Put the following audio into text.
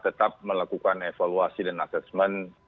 tetap melakukan evaluasi dan assessment